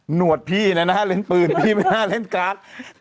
หวดพี่นะเล่นปืนพี่ไม่น่าเล่นการ์ด